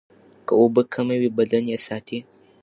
که اوبه کمې وي، بدن یې ساتي.